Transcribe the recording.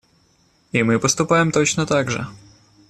И мы поступаем точно так же.